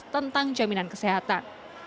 tentang jaminan kesehatan